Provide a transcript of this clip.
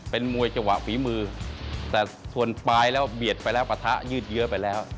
เป็นมวยจังหวะฝีมือแต่ส่วนปลายแล้วเบียดไปแล้วปะทะยืดเยอะไปแล้ว